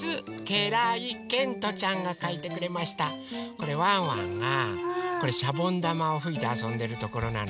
これワンワンがしゃぼんだまをふいてあそんでるところなの。